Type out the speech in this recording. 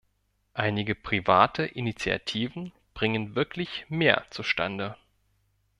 Einige private Initiativen bringen wirklich mehr zustande.